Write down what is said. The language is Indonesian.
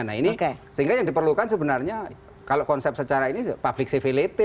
nah ini sehingga yang diperlukan sebenarnya kalau konsep secara ini public civility